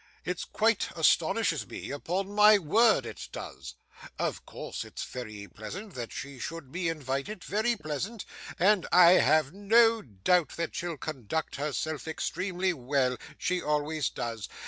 It quite astonishes me, upon my word it does. Of course it's very pleasant that she should be invited, very pleasant, and I have no doubt that she'll conduct herself extremely well; she always does.